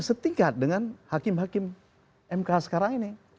setingkat dengan hakim hakim mk sekarang ini